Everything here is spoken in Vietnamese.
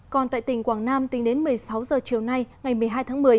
còn tại tỉnh quảng nam tính đến một mươi sáu h chiều nay ngày một mươi hai tháng một mươi